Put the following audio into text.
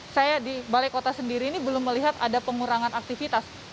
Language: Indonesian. saya di balai kota sendiri ini belum melihat ada pengurangan aktivitas